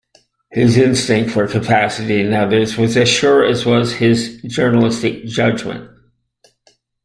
His instinct for capacity in others was as sure as was his journalistic judgment.